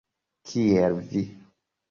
Kiel vi!